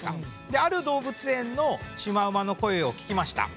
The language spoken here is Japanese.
である動物園のシマウマの声を聞きました。